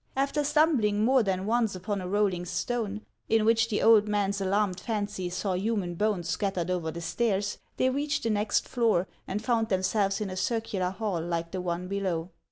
After stumbling more than ' once upon a rolling stone, in which the old man's alarmed fancy saw human bones scattered over the stairs, they reached the next floor, and found themselves in a circular hall like the one below.